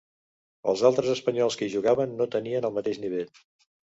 Els altres espanyols que hi jugaven no tenien el mateix nivell.